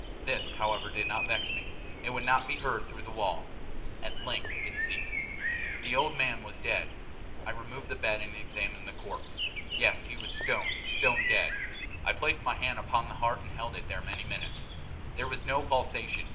This, however, did not vex me; it would not be heard through the wall. At length it ceased. The old man was dead. I removed the bed and examined the corpse. Yes, he was stone, stone dead. I placed my hand upon the heart and held it there many minutes. There was no pulsation.